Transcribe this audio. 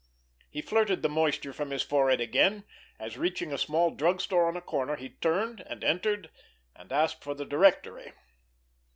He flirted the moisture from his forehead again, as, reaching a small drug store on a corner, he turned, and entered, and asked for the directory.